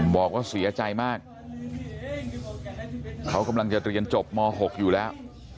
บอกว่าเสียใจมากเขากำลังจะเรียนจบม๖อยู่แล้ว